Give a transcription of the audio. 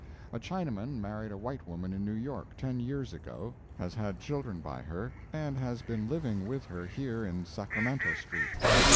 A Chinaman married a white woman in New York ten years ago, has had children by her, and has been living with her here in Sacramento street.